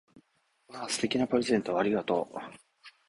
わぁ！素敵なプレゼントをありがとう！